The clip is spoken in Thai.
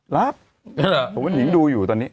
รับผมเป็นหญิงดูอยู่ตอนนี้